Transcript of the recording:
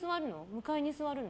向かいに座るの？